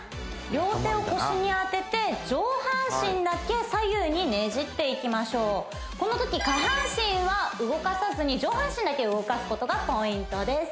両手を腰に当てて上半身だけ左右にねじっていきましょうこのとき下半身は動かさずに上半身だけ動かすことがポイントです